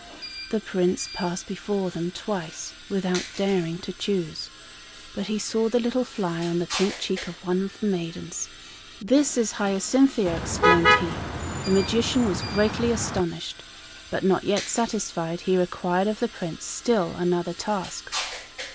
The Prince passed before them twice, without daring to choose; but he saw the little fly on the pink cheek of one of the maidens. "This is Hyacinthia!" exclaimed he. The magician was greatly astonished; but not yet satisfied, he required of the Prince still another task.